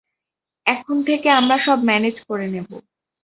এখন থেকে আমরা সব ম্যানেজ করে নেবো।